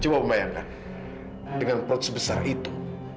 coba membayangkan dengan perut sebesar itu